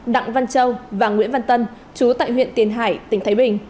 đặng văn châu và nguyễn văn tân chú tại huyện tiền hải tỉnh thái bình